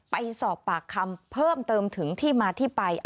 ไปสอบปากคำเพิ่มเติมถึงที่มาที่ไป